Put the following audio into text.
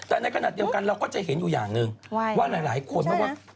อันนี้คอนแล้วใช่ไหม